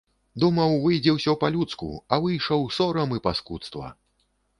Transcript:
Думаў, выйдзе ўсё па-людску, а выйшаў сорам і паскудства.